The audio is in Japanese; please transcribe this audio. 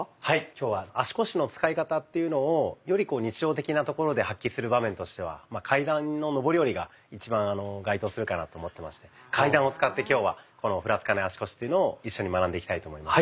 今日は足腰の使い方というのをより日常的なところで発揮する場面としては階段の上り下りが一番該当するかなと思ってまして階段を使って今日はふらつかない足腰というのを一緒に学んでいきたいと思います。